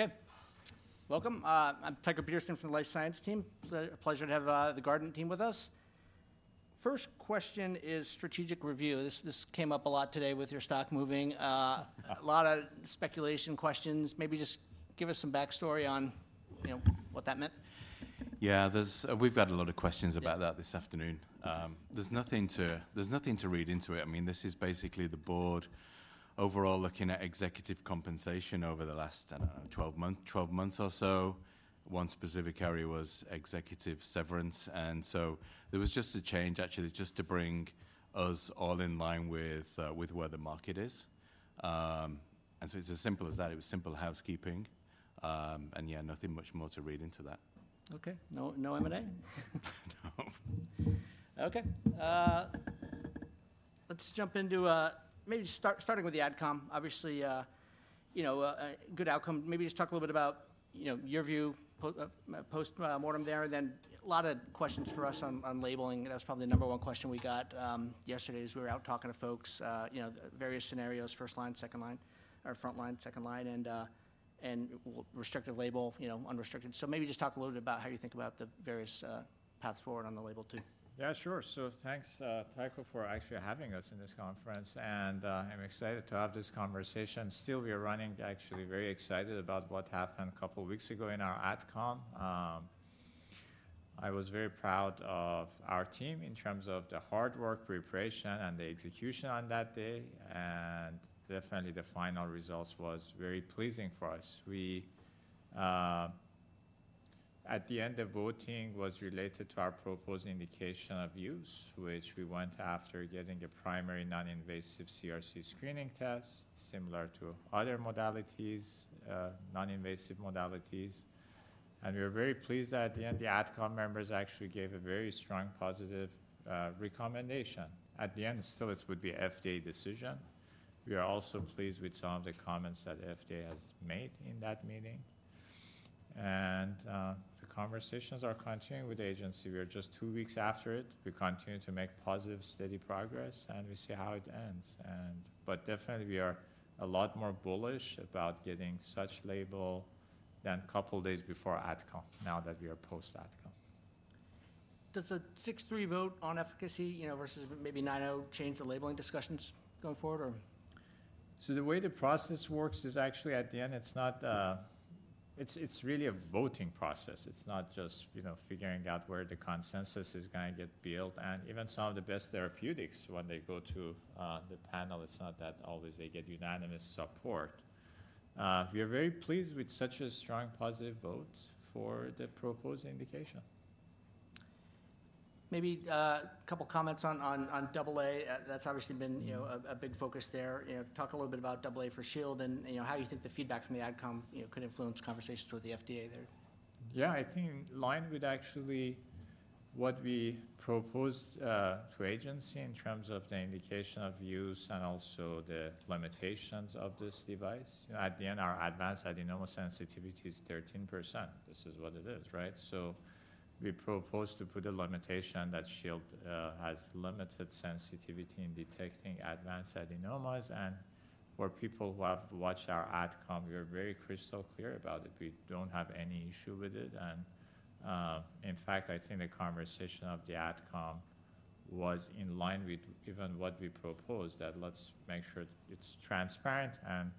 Okay. Welcome, I'm Tycho Peterson from the Life Sciences Team. Pleasure, a pleasure to have the Guardant team with us. First question is strategic review. This came up a lot today with your stock moving. A lot of speculation questions. Maybe just give us some backstory on, you know, what that meant.. Yeah, there's. We've had a lot of questions about that. Yeah. This afternoon. There's nothing to read into it. I mean, this is basically the board overall looking at executive compensation over the last 12 months or so. One specific area was executive severance, and so there was just a change, actually, just to bring us all in line with where the market is. And so it's as simple as that. It was simple housekeeping. And yeah, nothing much more to read into that. Okay. No, no M&A? No. Okay. Let's jump into maybe starting with the Adcom. Obviously, you know, a good outcome. Maybe just talk a little bit about, you know, your view, post mortem there, and then a lot of questions for us on labeling. That was probably the number one question we got yesterday as we were out talking to folks, you know, various scenarios, first line, second line, or front line, second line, and with restrictive label, you know, unrestricted. So maybe just talk a little bit about how you think about the various paths forward on the label too. Yeah, sure. So thanks, Tycho, for actually having us in this conference, and, I'm excited to have this conversation. Still, we are running actually very excited about what happened a couple weeks ago in our Adcom. I was very proud of our team in terms of the hard work, preparation, and the execution on that day, and definitely the final results was very pleasing for us. We, at the end, the voting was related to our proposed indication of use, which we went after getting a primary non-invasive CRC screening test, similar to other modalities, non-invasive modalities. And we were very pleased that at the end, the Adcom members actually gave a very strong, positive, recommendation. At the end, still, it would be FDA decision. We are also pleased with some of the comments that FDA has made in that meeting, and the conversations are continuing with the agency. We are just 2 weeks after it. We continue to make positive, steady progress, and we see how it ends. But definitely, we are a lot more bullish about getting such label than couple days before Adcom, now that we are post-Adcom. Does a 6-3 vote on efficacy, you know, versus maybe 9-0 change the labeling discussions going forward, or? The way the process works is actually at the end, it's not. It's really a voting process. It's not just, you know, figuring out where the consensus is gonna get built. And even some of the best therapeutics, when they go to the panel, it's not that always they get unanimous support. We are very pleased with such a strong positive vote for the proposed indication. Maybe a couple comments on AA. That's obviously been, you know, a big focus there. You know, talk a little bit about AA for Shield and, you know, how you think the feedback from the Adcom, you know, could influence conversations with the FDA there. Yeah, I think in line with actually what we proposed to agency in terms of the indication of use and also the limitations of this device. At the end, our advanced adenoma sensitivity is 13%. This is what it is, right? So we propose to put a limitation that Shield has limited sensitivity in detecting advanced adenomas. And for people who have watched our Adcom, we are very crystal clear about it. We don't have any issue with it, and in fact, I think the conversation of the Adcom was in line with even what we proposed, that let's make sure it's transparent and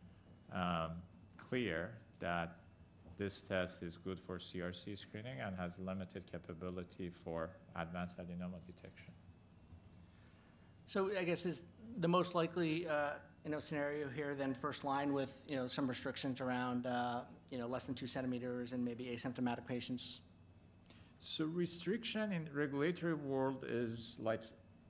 clear that this test is good for CRC screening and has limited capability for advanced adenoma detection. So I guess is the most likely, you know, scenario here, then first line with, you know, some restrictions around, you know, less than 2 cm and maybe asymptomatic patients? So restriction in regulatory world is like,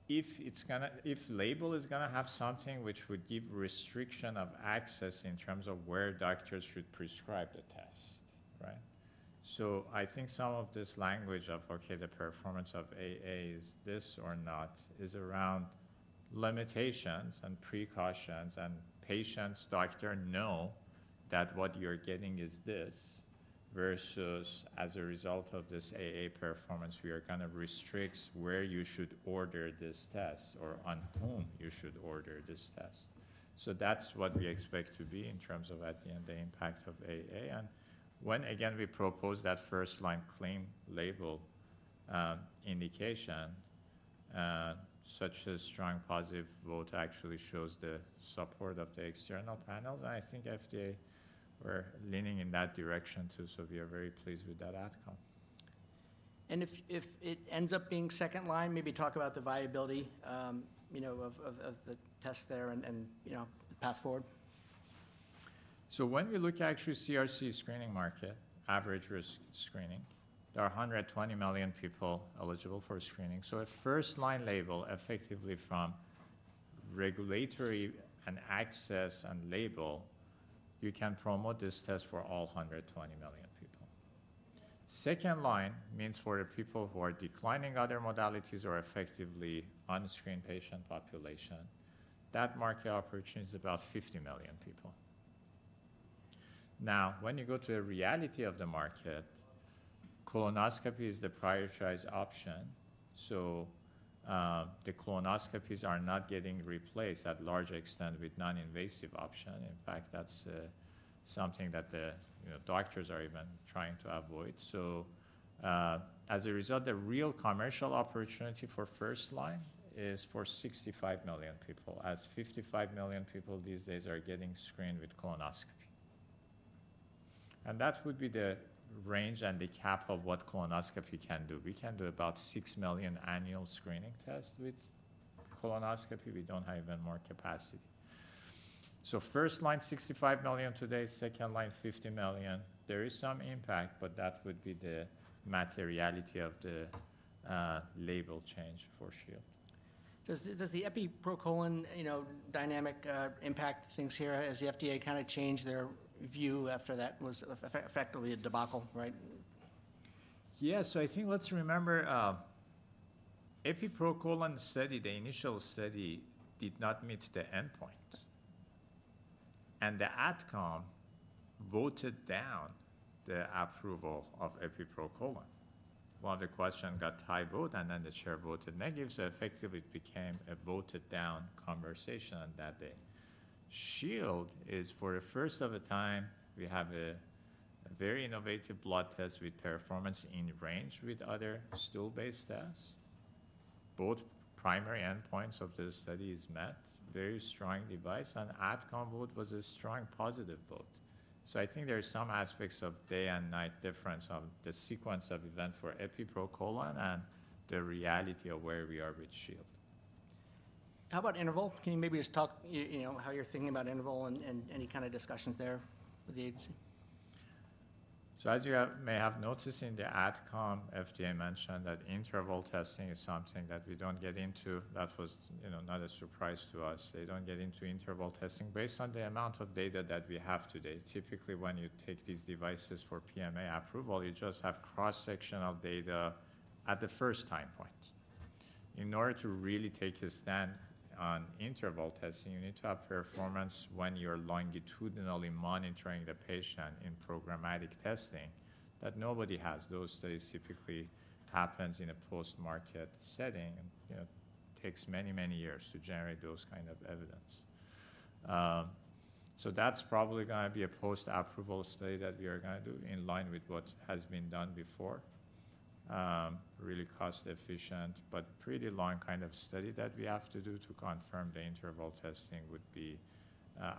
if label is gonna have something which would give restriction of access in terms of where doctors should prescribe the test, right? So I think some of this language of, okay, the performance of AA is this or not, is around limitations and precautions, and patients, doctor know that what you're getting is this, versus as a result of this AA performance, we are gonna restrict where you should order this test or on whom you should order this test. So that's what we expect to be in terms of at the end, the impact of AA. And when, again, we propose that first line claim label, indication, such a strong positive vote actually shows the support of the external panels, and I think FDA were leaning in that direction, too. We are very pleased with that outcome. If it ends up being second line, maybe talk about the viability, you know, of the test there and, you know, the path forward. So when we look at actually CRC screening market, average risk screening, there are 120 million people eligible for screening. So a first-line label, effectively from regulatory and access and label, you can promote this test for all 120 million people. Second line means for the people who are declining other modalities or effectively unscreened patient population, that market opportunity is about 50 million people. Now, when you go to the reality of the market, colonoscopy is the prioritized option, so, the colonoscopies are not getting replaced at large extent with non-invasive option. In fact, that's, something that the, you know, doctors are even trying to avoid. So, as a result, the real commercial opportunity for first line is for 65 million people, as 55 million people these days are getting screened with colonoscopy. That would be the range and the cap of what colonoscopy can do. We can do about 6 million annual screening tests with colonoscopy. We don't have even more capacity. So first line, 65 million today, second line, 50 million. There is some impact, but that would be the materiality of the label change for Shield. Does the Epi proColon, you know, dynamic impact things here as the FDA kind of changed their view after that was effectively a debacle, right? Yeah. So I think let's remember, Epi proColon study, the initial study did not meet the endpoint, and the Adcom voted down the approval of Epi proColon. One of the question got tied vote, and then the chair voted negative, so effectively it became a voted down conversation on that day. Shield is, for the first time, we have a very innovative blood test with performance in range with other stool-based test. Both primary endpoints of the study is met, very strong device, and Adcom vote was a strong positive vote. So I think there are some aspects of day and night difference of the sequence of event for Epi proColon and the reality of where we are with Shield. How about interval? Can you maybe just talk, you know, how you're thinking about interval and any kind of discussions there with the agency? So as you may have noticed in the Adcom, FDA mentioned that interval testing is something that we don't get into. That was, you know, not a surprise to us. They don't get into interval testing based on the amount of data that we have today. Typically, when you take these devices for PMA approval, you just have cross-sectional data at the first time point. In order to really take a stand on interval testing, you need to have performance when you're longitudinally monitoring the patient in programmatic testing, that nobody has. Those studies typically happens in a post-market setting, and, you know, takes many, many years to generate those kind of evidence. So that's probably gonna be a post-approval study that we are gonna do in line with what has been done before. Really cost efficient, but pretty long kind of study that we have to do to confirm the interval testing would be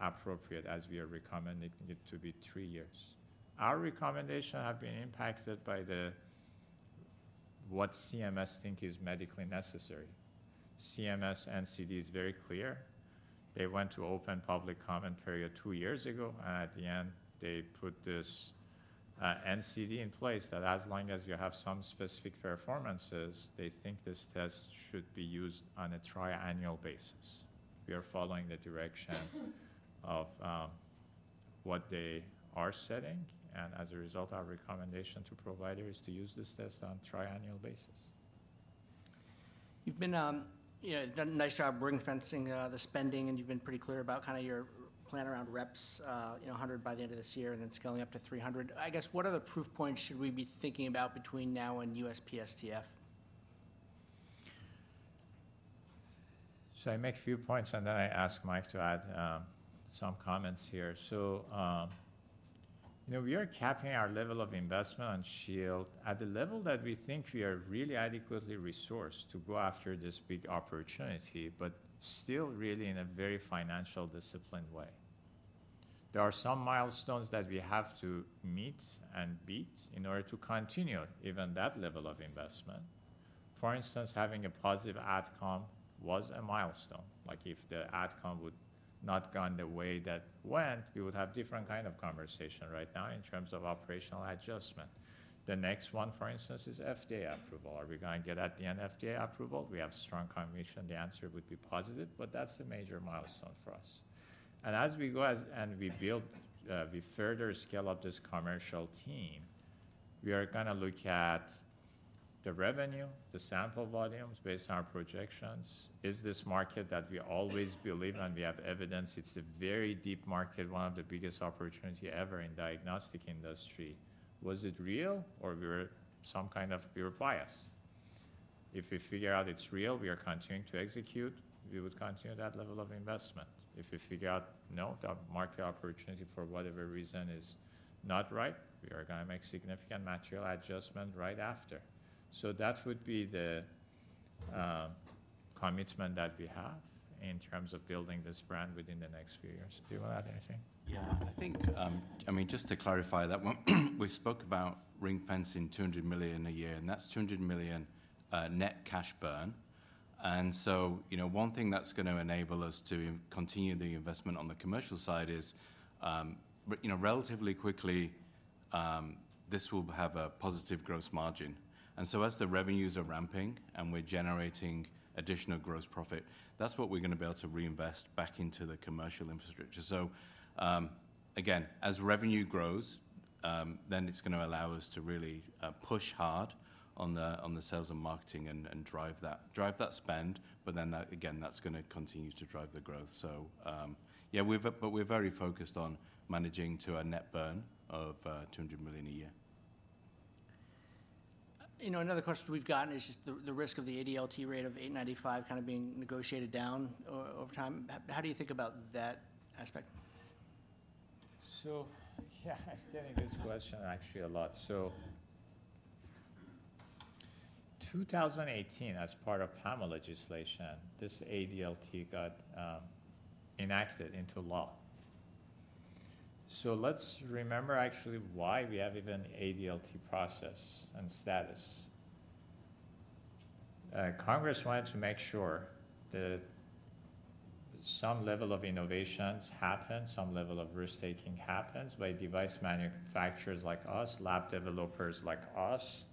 appropriate as we are recommending it to be three years. Our recommendation have been impacted by the, what CMS think is medically necessary. CMS NCD is very clear. They went to open public comment period two years ago, and at the end, they put this, NCD in place that as long as you have some specific performances, they think this test should be used on a triennial basis. We are following the direction of, what they are setting, and as a result, our recommendation to provider is to use this test on triennial basis. You've been, you know, done a nice job ring-fencing the spending, and you've been pretty clear about kind of your plan around reps, you know, 100 by the end of this year, and then scaling up to 300. I guess, what other proof points should we be thinking about between now and USPSTF? Should I make a few points, and then I ask Mike to add some comments here. So, you know, we are capping our level of investment on Shield at the level that we think we are really adequately resourced to go after this big opportunity, but still really in a very financial, disciplined way. There are some milestones that we have to meet and beat in order to continue even that level of investment. For instance, having a positive Adcom was a milestone. Like, if the Adcom would not gone the way that went, we would have different kind of conversation right now in terms of operational adjustment. The next one, for instance, is FDA approval. Are we gonna get at the end FDA approval? We have strong conviction the answer would be positive, but that's a major milestone for us. And as we go and we build, we further scale up this commercial team, we are gonna look at the revenue, the sample volumes based on our projections. Is this market that we always believe, and we have evidence it's a very deep market, one of the biggest opportunity ever in diagnostic industry. Was it real, or we were some kind of biased? If we figure out it's real, we are continuing to execute, we would continue that level of investment. If we figure out, no, the market opportunity for whatever reason is not right, we are gonna make significant material adjustment right after. So that would be the commitment that we have in terms of building this brand within the next few years. Do you want to add anything? Yeah, I think, I mean, just to clarify that one, we spoke about ring-fencing $200 million a year, and that's $200 million net cash burn. So, you know, one thing that's gonna enable us to continue the investment on the commercial side is, you know, relatively quickly, this will have a positive gross margin. So as the revenues are ramping and we're generating additional gross profit, that's what we're gonna be able to reinvest back into the commercial infrastructure. So, again, as revenue grows, then it's gonna allow us to really push hard on the sales and marketing and drive that spend, but then that again that's gonna continue to drive the growth. So, yeah, but we're very focused on managing to a net burn of $200 million a year. ...You know, another question we've gotten is just the risk of the ADLT rate of $895 kind of being negotiated down over time. How do you think about that aspect? So, yeah, I'm getting this question actually a lot. So 2018, as part of PAMA legislation, this ADLT got enacted into law. So let's remember actually why we have even ADLT process and status. Congress wanted to make sure that some level of innovations happen, some level of risk-taking happens by device manufacturers like us, lab developers like us,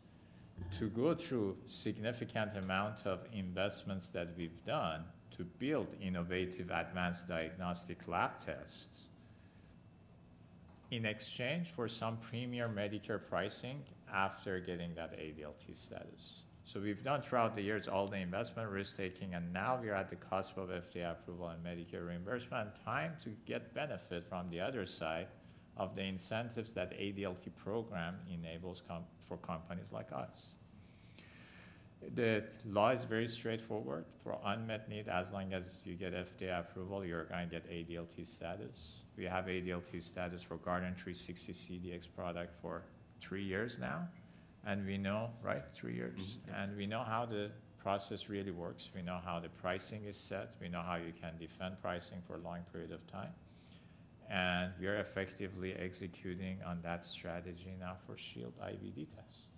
to go through significant amount of investments that we've done to build innovative, advanced diagnostic lab tests in exchange for some premier Medicare pricing after getting that ADLT status. So we've done throughout the years, all the investment, risk-taking, and now we are at the cusp of FDA approval and Medicare reimbursement, time to get benefit from the other side of the incentives that ADLT program enables for companies like us. The law is very straightforward. For unmet need, as long as you get FDA approval, you're going to get ADLT status. We have ADLT status for Guardant360 CDx product for three years now, and we know... Right, three years? Mm-hmm. Yes. We know how the process really works. We know how the pricing is set. We know how you can defend pricing for a long period of time, and we are effectively executing on that strategy now for Shield IVD test.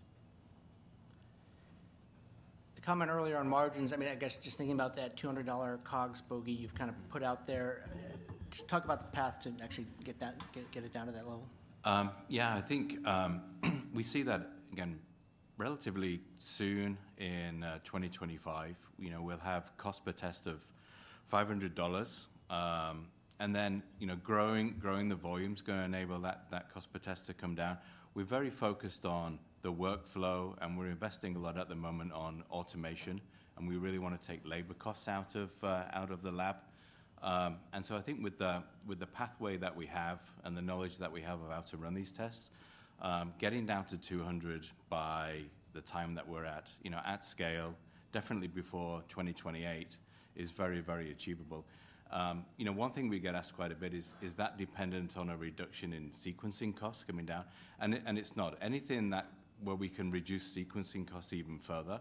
The comment earlier on margins, I mean, I guess just thinking about that $200 COGS bogey you've kind of put out there, just talk about the path to actually get it down to that level. Yeah, I think we see that again, relatively soon in 2025, you know, we'll have cost per test of $500. And then, you know, growing the volume is going to enable that cost per test to come down. We're very focused on the workflow, and we're investing a lot at the moment on automation, and we really want to take labor costs out of the lab. And so I think with the pathway that we have and the knowledge that we have of how to run these tests, getting down to $200 by the time that we're at scale, definitely before 2028, is very, very achievable. One thing we get asked quite a bit is: Is that dependent on a reduction in sequencing costs coming down? It's not. Anything that, where we can reduce sequencing costs even further,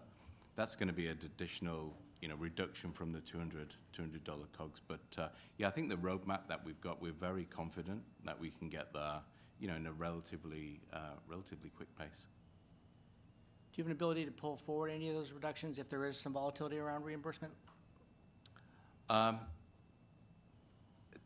that's going to be an additional, you know, reduction from the $200 COGS. But, yeah, I think the roadmap that we've got, we're very confident that we can get there, you know, in a relatively quick pace. Do you have an ability to pull forward any of those reductions if there is some volatility around reimbursement?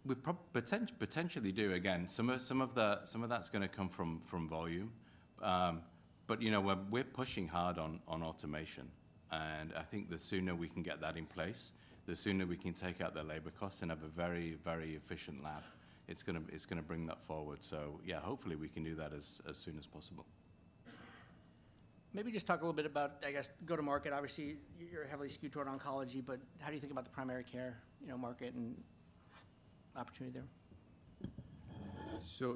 We potentially do. Again, some of that's going to come from volume. But you know, we're pushing hard on automation, and I think the sooner we can get that in place, the sooner we can take out the labor costs and have a very, very efficient lab. It's gonna bring that forward. So yeah, hopefully, we can do that as soon as possible. Maybe just talk a little bit about, I guess, go-to-market. Obviously, you're heavily skewed toward oncology, but how do you think about the primary care, you know, market and opportunity there?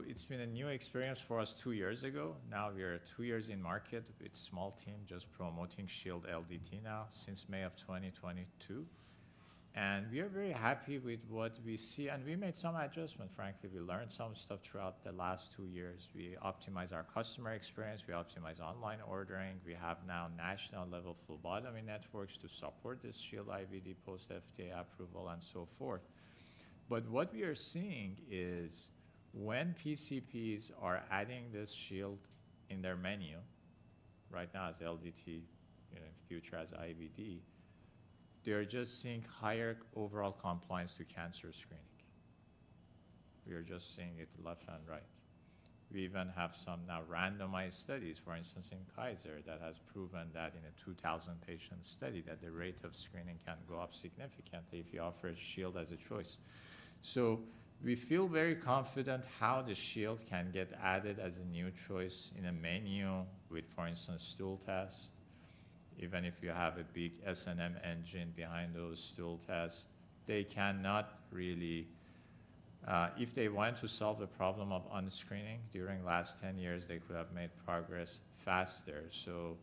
It's been a new experience for us two years ago. Now, we are two years in market with small team, just promoting Shield LDT now since May of 2022, and we are very happy with what we see. We made some adjustment, frankly. We learned some stuff throughout the last two years. We optimize our customer experience, we optimize online ordering. We have now national-level phlebotomy networks to support this Shield IVD post-FDA approval and so forth. But what we are seeing is when PCPs are adding this Shield in their menu, right now as LDT, in future as IVD, they are just seeing higher overall compliance to cancer screening. We are just seeing it left and right. We even have some now randomized studies, for instance, in Kaiser, that has proven that in a 2,000-patient study, that the rate of screening can go up significantly if you offer Shield as a choice. So we feel very confident how the Shield can get added as a new choice in a menu with, for instance, stool test. Even if you have a big S&M engine behind those stool tests, they cannot really... If they want to solve the problem of unscreening during last 10 years, they could have made progress faster. So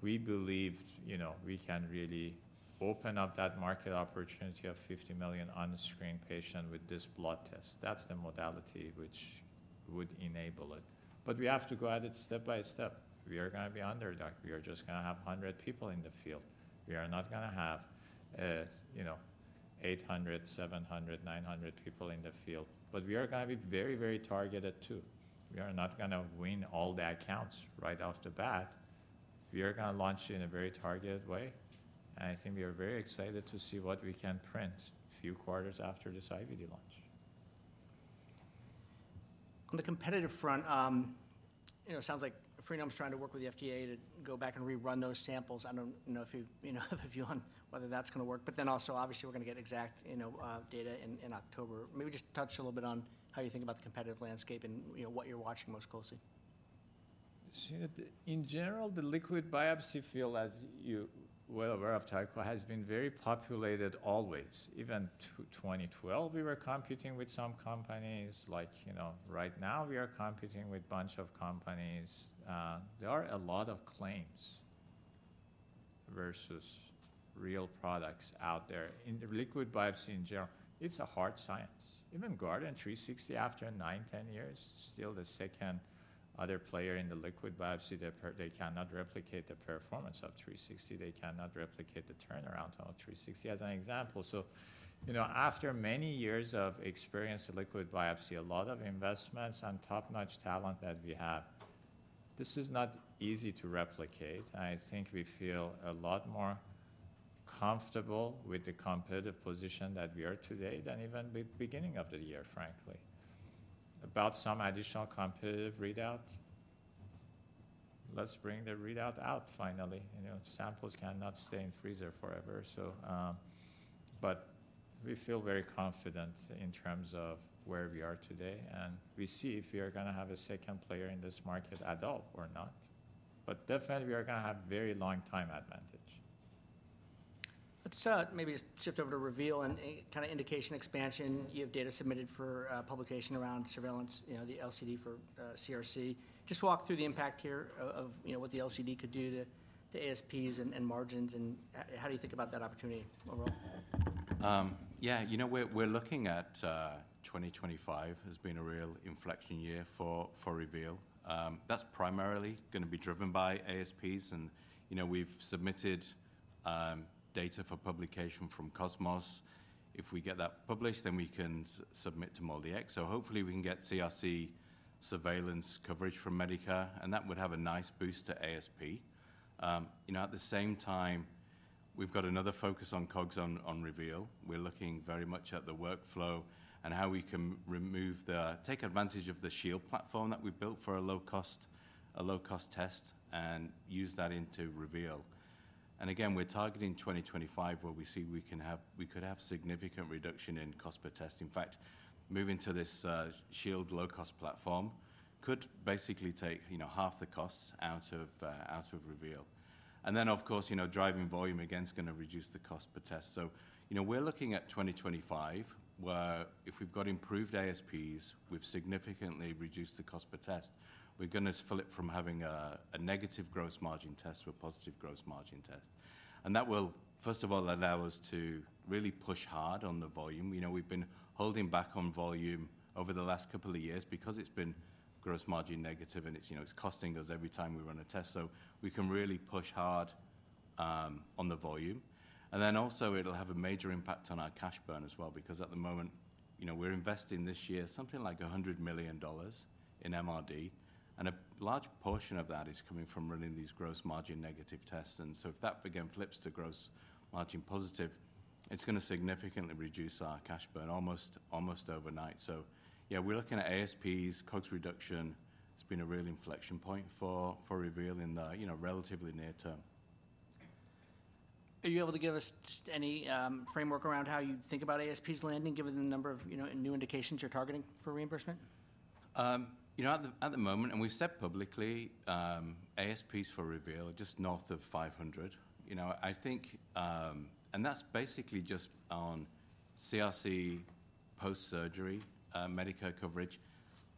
we believe, you know, we can really open up that market opportunity of 50 million unscreened patient with this blood test. That's the modality which would enable it, but we have to go at it step by step. We are gonna be under, doc. We are just gonna have 100 people in the field. We are not gonna have, you know, 800, 700, 900 people in the field, but we are gonna be very, very targeted, too. We are not gonna win all the accounts right off the bat. We are gonna launch in a very targeted way, and I think we are very excited to see what we can print few quarters after this IVD launch. On the competitive front, you know, it sounds like Freenome's trying to work with the FDA to go back and rerun those samples. I don't know if you, you know, have a view on whether that's gonna work, but then also, obviously, we're gonna get Exact Sciences, you know, data in October. Maybe just touch a little bit on how you think about the competitive landscape and, you know, what you're watching most closely. So in general, the liquid biopsy field, as you're well aware of, Tycho, has been very populated always. Even 2012, we were competing with some companies. Like, you know, right now, we are competing with bunch of companies. There are a lot of claims-... versus real products out there. In the liquid biopsy in general, it's a hard science. Even Guardant360 after nine, 10 years, still the second other player in the liquid biopsy. They cannot replicate the performance of 360. They cannot replicate the turnaround time of 360, as an example. So, you know, after many years of experience in liquid biopsy, a lot of investments and top-notch talent that we have, this is not easy to replicate. I think we feel a lot more comfortable with the competitive position that we are today than even the beginning of the year, frankly. About some additional competitive readout, let's bring the readout out finally. You know, samples cannot stay in freezer forever, so, but we feel very confident in terms of where we are today, and we see if we are gonna have a second player in this market at all or not. But definitely, we are gonna have very long time advantage. Let's maybe shift over to Reveal and kind of indication expansion. You have data submitted for publication around surveillance, you know, the LCD for CRC. Just walk through the impact here of, you know, what the LCD could do to ASPs and margins, and how do you think about that opportunity overall? Yeah, you know, we're looking at 2025 as being a real inflection year for Reveal. That's primarily gonna be driven by ASPs and, you know, we've submitted data for publication from COSMOS. If we get that published, then we can submit to MolDX. So hopefully we can get CRC surveillance coverage from Medicare, and that would have a nice boost to ASP. You know, at the same time, we've got another focus on COGS on Reveal. We're looking very much at the workflow and how we can take advantage of the Shield platform that we built for a low-cost test, and use that into Reveal. And again, we're targeting 2025, where we see we could have significant reduction in cost per test. In fact, moving to this Shield low-cost platform could basically take, you know, half the costs out of out of Reveal. And then, of course, you know, driving volume again is gonna reduce the cost per test. So, you know, we're looking at 2025, where if we've got improved ASPs, we've significantly reduced the cost per test. We're gonna flip from having a negative gross margin test to a positive gross margin test, and that will first of all, allow us to really push hard on the volume. You know, we've been holding back on volume over the last couple of years because it's been gross margin negative, and it's, you know, it's costing us every time we run a test, so we can really push hard on the volume. Then also, it'll have a major impact on our cash burn as well, because at the moment, you know, we're investing this year something like $100 million in MRD, and a large portion of that is coming from running these gross margin negative tests. So if that, again, flips to gross margin positive, it's gonna significantly reduce our cash burn almost, almost overnight. So yeah, we're looking at ASPs, COGS reduction. It's been a real inflection point for, for Reveal in the, you know, relatively near term. Are you able to give us just any, framework around how you think about ASPs landing, given the number of, you know, new indications you're targeting for reimbursement? You know, at the moment, and we've said publicly, ASPs for Reveal are just north of $500. You know, I think... And that's basically just on CRC post-surgery, Medicare coverage.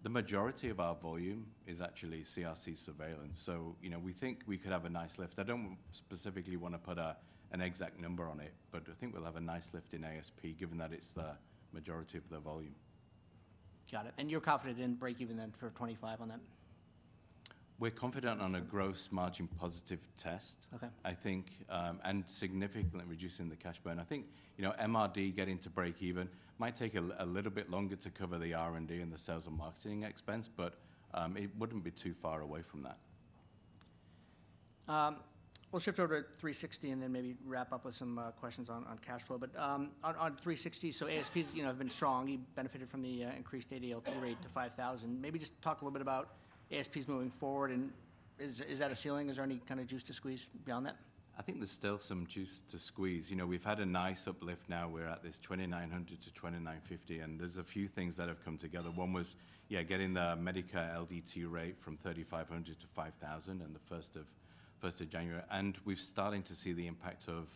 The majority of our volume is actually CRC surveillance, so you know, we think we could have a nice lift. I don't specifically want to put an exact number on it, but I think we'll have a nice lift in ASP, given that it's the majority of the volume. Got it. You're confident in break even then for 2025 on that? We're confident on a gross margin positive test- Okay. I think, and significantly reducing the cash burn. I think, you know, MRD getting to break even might take a little bit longer to cover the R&D and the sales and marketing expense, but, it wouldn't be too far away from that. We'll shift over to 360 and then maybe wrap up with some questions on cash flow. But on 360, so ASPs, you know, have been strong. You benefited from the increased ADLT rate to $5,000. Maybe just talk a little bit about ASPs moving forward, and is that a ceiling? Is there any kind of juice to squeeze beyond that? I think there's still some juice to squeeze. You know, we've had a nice uplift. Now we're at this $2,900-$2,950, and there's a few things that have come together. One was, yeah, getting the Medicare LDT rate from $3,500 to $5,000 in the first of January. And we're starting to see the impact of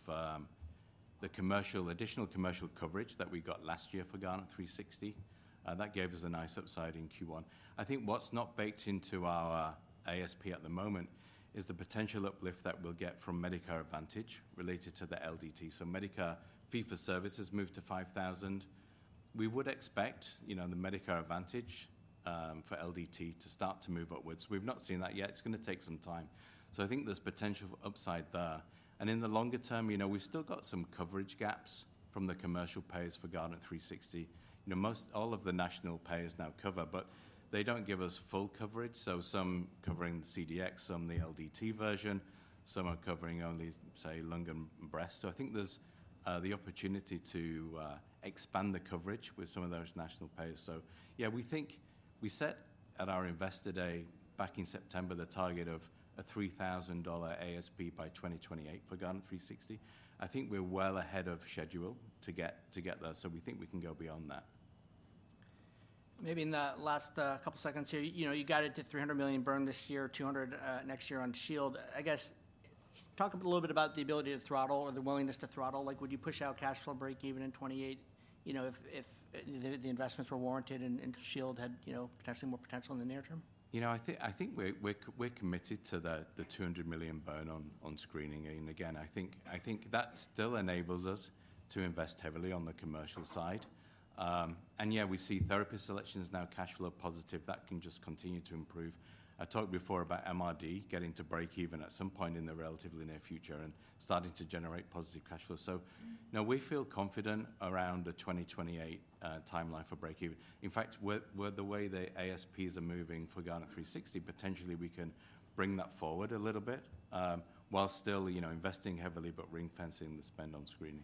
the commercial, additional commercial coverage that we got last year for Guardant360. That gave us a nice upside in Q1. I think what's not baked into our ASP at the moment is the potential uplift that we'll get from Medicare Advantage related to the LDT. So Medicare fee-for-service has moved to $5,000. We would expect, you know, the Medicare Advantage for LDT to start to move upwards. We've not seen that yet. It's gonna take some time. So I think there's potential for upside there. And in the longer term, you know, we've still got some coverage gaps from the commercial payers for Guardant360. You know, most all of the national payers now cover, but they don't give us full coverage. So some covering the CDx, some the LDT version, some are covering only, say, lung and breast. So I think there's the opportunity to expand the coverage with some of those national payers. So yeah, we think we set at our Investor Day back in September, the target of a $3,000 ASP by 2028 for Guardant360. I think we're well ahead of schedule to get, to get there, so we think we can go beyond that. Maybe in the last couple seconds here, you know, you got it to $300 million burn this year, $200 million next year on Shield. I guess, talk a little bit about the ability to throttle or the willingness to throttle. Like, would you push out cash flow break-even in 2028, you know, if the investments were warranted and Shield had, you know, potentially more potential in the near term? You know, I think we're committed to the $200 million burn on screening. And again, I think that still enables us to invest heavily on the commercial side. And yeah, we see therapy selections now cash flow positive, that can just continue to improve. I talked before about MRD getting to break even at some point in the relatively near future and starting to generate positive cash flow. So now we feel confident around the 2028 timeline for break even. In fact, where the way the ASPs are moving for Guardant360, potentially we can bring that forward a little bit, while still, you know, investing heavily, but ring-fencing the spend on screening.